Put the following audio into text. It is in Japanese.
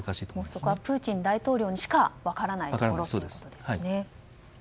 そこはプーチン大統領にしか分からないところですね。